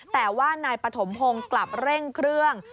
แต่ว่านายปฐมพงศ์กลับเร่งเครื่อง